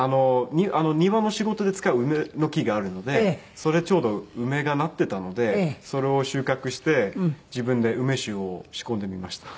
庭の仕事で使う梅の木があるのでそれちょうど梅がなっていたのでそれを収穫して自分で梅酒を仕込んでみました。